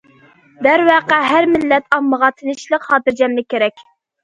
دەرۋەقە، ھەر مىللەت ئاممىغا تىنچلىق، خاتىرجەملىك كېرەك.